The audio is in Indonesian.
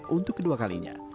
untuk kedua kalinya